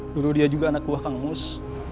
dulu dia juga anak buah kang mus